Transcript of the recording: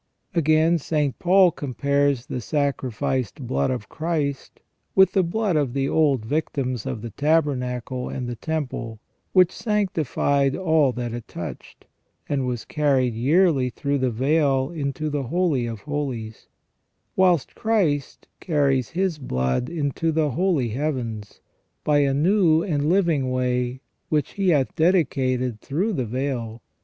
Again, St. Paul compares the sacrificed blood of Christ with the blood of the old victims of the Tabernacle and the Temple which sanctified all that it touched, and was carried yearly through the veil into the Holy of Holies ; whilst Christ carries His blood into the Holy Heavens by a new and living way which He hath dedicated through the veil.